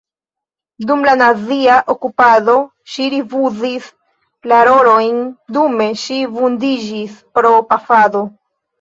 Dum la nazia okupado ŝi rifuzis la rolojn, dume ŝi vundiĝis pro pafado.